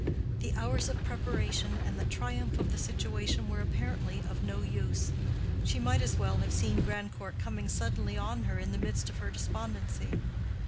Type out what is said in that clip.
The hours of preparation and the triumph of the situation were apparently of no use: she might as well have seen Grandcourt coming suddenly on her in the midst of her despondency.